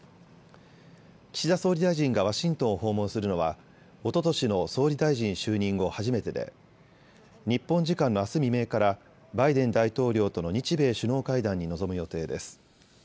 岸田総理大臣がワシントンを訪問するのはおととしの総理大臣就任後、初めてで日本時間のあす未明からバイデン大統領との日米首脳会談に臨む予定です。